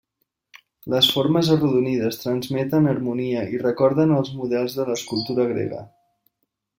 Les formes arrodonides transmeten harmonia i recorden els models de l'escultura grega.